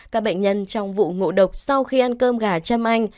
các bệnh nhân trong vụ ngộ độc sau khi ăn cơm gà châm anh